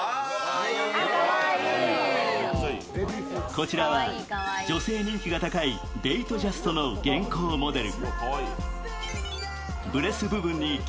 こちらは女性人気が高いデイトジャストの現行モデル。